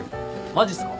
マジっすか？